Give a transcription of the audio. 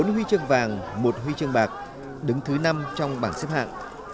bốn huy chương vàng một huy chương bạc đứng thứ năm trong bảng xếp hạng